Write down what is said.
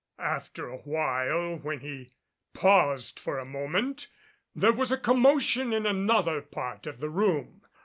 After a while when he paused for a moment there was a commotion in another part of the room.